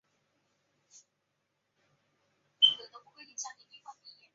删节线是以一条线划过一字形后所得的变型。